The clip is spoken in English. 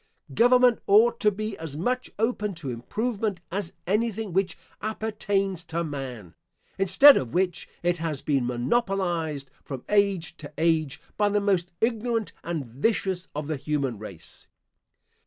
Government ought to be as much open to improvement as anything which appertains to man, instead of which it has been monopolised from age to age, by the most ignorant and vicious of the human race.